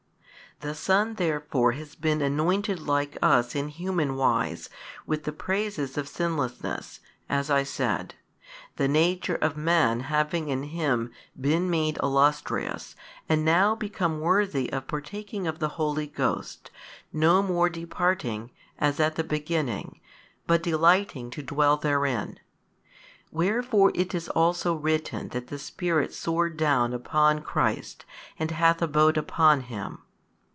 The Son therefore has been anointed like us in human wise 3 with the praises of sinlessness, as I said: the nature of man having in Him been made illustrious and now become worthy of partaking of the Holy Ghost, no more departing, as at the beginning, but delighting to dwell therein. Wherefore it is also written that the Spirit soared down upon Christ and hath abode upon Him.